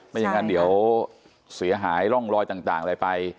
ไม่อย่างนั้นเดี๋ยวเสียหายร่องรอยต่างอะไรไป